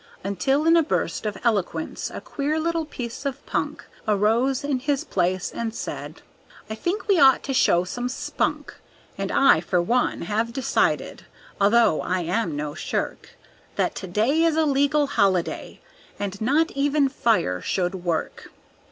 Until in a burst of eloquence a queer little piece of punk Arose in his place and said, "I think we ought to show some spunk. And I for one have decided, although I am no shirk, That to day is a legal holiday and not even fire should work.